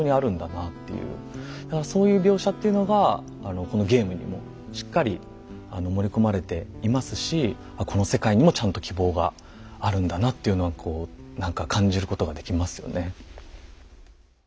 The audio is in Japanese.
だからそういう描写っていうのがこのゲームにもしっかり盛り込まれていますしこの世界にもちゃんと希望があるんだなっていうのはこう何か感じることができますよね。